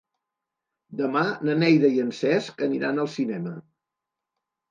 Demà na Neida i en Cesc aniran al cinema.